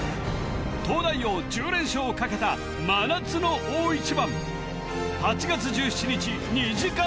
東大王１０連勝をかけた真夏の大一番８月１７日２時間